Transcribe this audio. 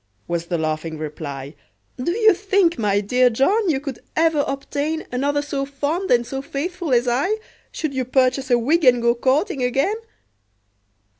was the laughing reply; "Do you think, my dear John, you could ever obtain Another so fond and so faithful as I, Should you purchase a wig, and go courting again?"